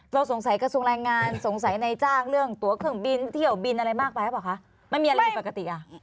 เราสงสัยกระทรวงรายงานสงสัยในจ้างเรื่องตัวเครื่องบินเที่ยวบินอะไรมากไปหรือเปล่าคะ